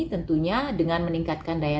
tentunya dengan meningkatkan daya